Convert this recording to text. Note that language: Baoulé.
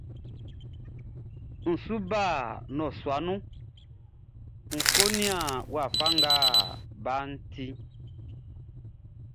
N su ba nnɔsua nun ń kó nían wafa nga baʼn tiʼn.